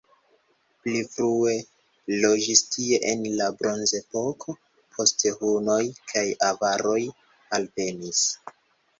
Pli frue loĝis tie en la bronzepoko, poste hunoj kaj avaroj alvenis.